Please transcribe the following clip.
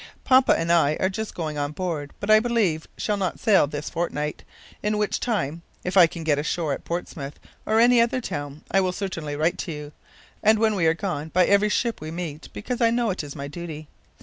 Papa and I are just going on board, but I believe shall not sail this fortnight; in which time, if I can get ashore at Portsmouth or any other town, I will certainly write to you, and, when we are gone, by every ship we meet, because I know it is my duty.